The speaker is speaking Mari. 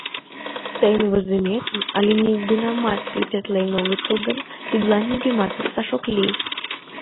Тыйын возыметым але нигунамат печатлен огытыл гын, тидлан нигӧмат вурсаш ок лий.